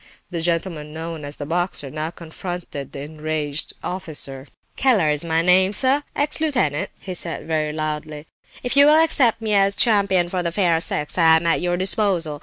The gentleman known as the "boxer" now confronted the enraged officer. "Keller is my name, sir; ex lieutenant," he said, very loud. "If you will accept me as champion of the fair sex, I am at your disposal.